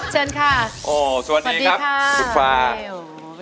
เชิญค่ะสวัสดีครับคุณฟ้าโอ้วเป็นไงเรามาดูตัวเผยดีค่ะ